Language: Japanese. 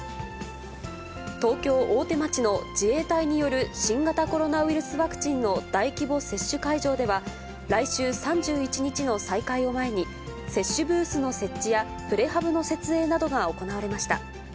東京・大手町の自衛隊による新型コロナウイルスワクチンの大規模接種会場では、来週３１日の再開を前に、接種ブースの設置や、プレハブの設営などが行われました。